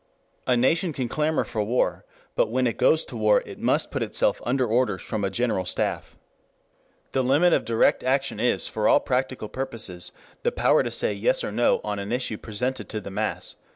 A nation can clamor for war, but when it goes to war it must put itself under orders from a general staff. The limit of direct action is for all practical purposes the power to say Yes or No on an issue presented to the mass.